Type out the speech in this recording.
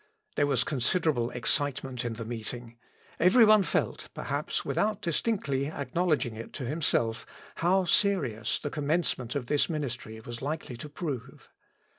There was considerable excitement in the meeting; every one felt, perhaps without distinctly acknowledging it to himself, how serious the commencement of this ministry was likely to prove.